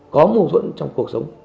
có mâu thuẫn trong cuộc sống